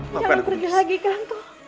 jangan pergi lagi kan